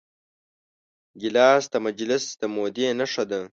ګیلاس د مجلس د مودې نښه ده.